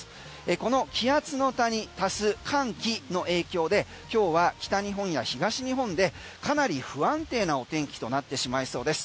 この気圧の谷足す、寒気の影響で今日は北日本や東日本でかなり不安定なお天気となってしまいそうです。